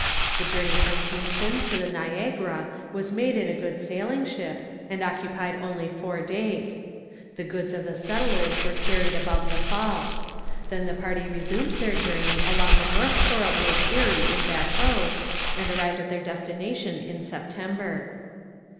The journey from Kingston to the Niagara was made in a good sailing ship and occupied only four days. The goods of the settlers were carried above the Falls. Then the party resumed their journey along the north shore of Lake Erie in bateaux, and arrived at their destination in September.